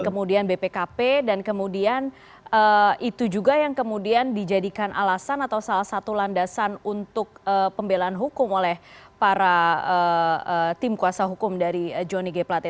kemudian bpkp dan kemudian itu juga yang kemudian dijadikan alasan atau salah satu landasan untuk pembelaan hukum oleh para tim kuasa hukum dari johnny g plate